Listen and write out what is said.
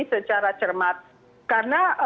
secara cermat karena